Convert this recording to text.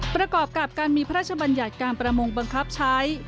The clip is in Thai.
ประกอบกับการมีพระราชบัญญัติการประมงบังคับใช้